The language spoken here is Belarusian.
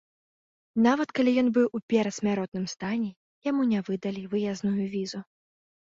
Нават калі ён быў у перадсмяротным стане, яму не выдалі выязную візу.